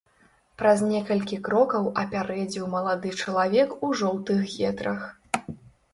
Праз некалькі крокаў апярэдзіў малады чалавек у жоўтых гетрах.